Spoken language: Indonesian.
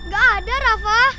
gak ada rafa